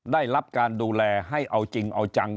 ได้รับการดูแลให้เอาจริงเอาจัง